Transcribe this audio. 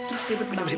masih dibut banget sih